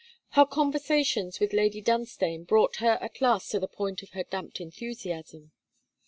Her conversations with Lady Dunstane brought her at last to the point of her damped enthusiasm.